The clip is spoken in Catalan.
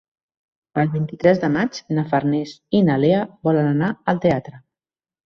El vint-i-tres de maig na Farners i na Lea volen anar al teatre.